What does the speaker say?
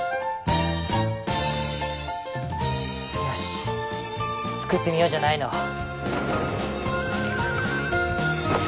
よし作ってみようじゃないの！